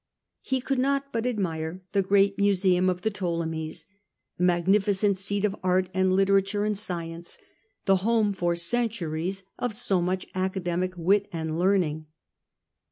He could not but admire the great museum of the Ptolemies, the magnificent seat of art and literature and science, the home for centuries of so much academic wit and learning.